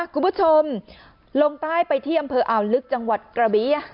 คุณผู้ชมลงใต้ไปที่อำเภออ่าวลึกจังหวัดกระเบี้ย